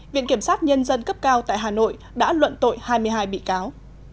viện kiểm sát nhân dân cấp cao tại hà nội đã luận tội hai mươi hai bị cáo